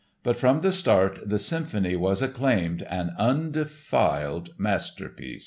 But from the start the symphony was acclaimed an undefiled masterpiece.